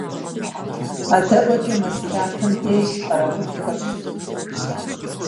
АдэӀуэкӀэ, мэз лъапэм деж, къэрэгъулхэр щытт.